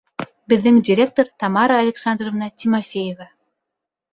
Беҙҙең директор Тамара Александровна Тимофеева.